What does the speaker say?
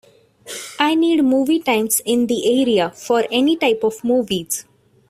I need movie times in the area for any type of movies